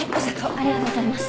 ありがとうございます。